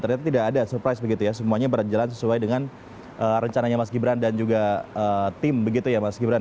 ternyata tidak ada surprise begitu ya semuanya berjalan sesuai dengan rencananya mas gibran dan juga tim begitu ya mas gibran